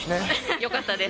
よかったです。